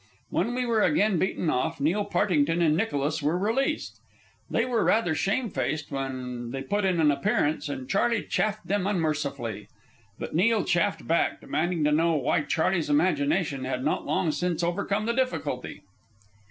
When we were again beaten off, Neil Partington and Nicholas were released. They were rather shamefaced when they put in an appearance, and Charley chaffed them unmercifully. But Neil chaffed back, demanding to know why Charley's imagination had not long since overcome the difficulty.